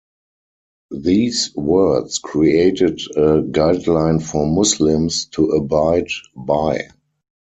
These words created a guideline for Muslims to abide by.